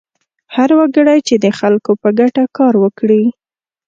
هر وګړی چې د خلکو په ګټه کار وکړي.